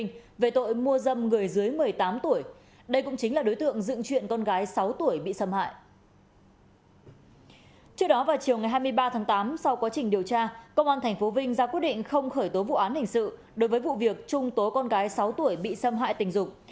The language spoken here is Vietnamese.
năm sau quá trình điều tra công an tp vinh ra quyết định không khởi tố vụ án hình sự đối với vụ việc trung tố con gái sáu tuổi bị xâm hại tình dục